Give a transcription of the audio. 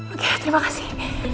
oke terima kasih